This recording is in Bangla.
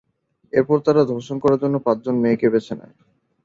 এরপর তারা ধর্ষণ করার জন্য পাঁচজন মেয়েকে বেছে নেয়।